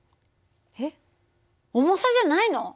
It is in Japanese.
えっ重さじゃないの？